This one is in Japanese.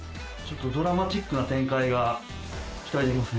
ドラマチックな展開が期待できますね。